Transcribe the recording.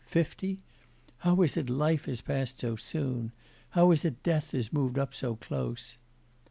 fifty? How is it life has passed so soon? How is it death has moved up so close?